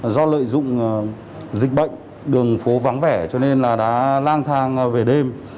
do lợi dụng dịch bệnh đường phố vắng vẻ cho nên là đã lang thang về đêm